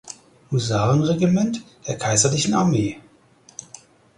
Husarenregiment der kaiserlichen Armee.